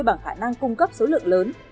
bằng khả năng cung cấp số lượng lớn